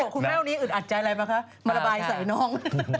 โคตรแม่วนี้อึดอัดใจอะไรมาคะมาระบายสายน้อง